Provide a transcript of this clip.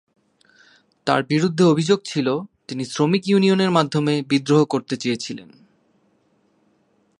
তার বিরুদ্ধে অভিযোগ ছিল তিনি শ্রমিক ইউনিয়নের মাধ্যমে বিদ্রোহ করতে চেয়েছিলেন।